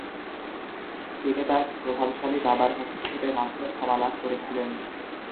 তিনি তার প্রভাবশালী বাবার হস্তক্ষেপের মাধ্যমে ক্ষমা লাভ করেছিলেন।